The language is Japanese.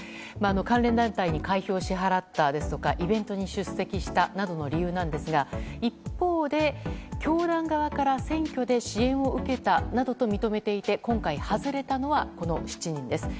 関連団体に会費を支払ったですとかイベントに出席したなどの理由なんですが一方で、教団側から選挙で支援を受けたなどと認めていて今回外れたのは、この７人です。